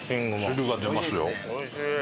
汁が出ますよ。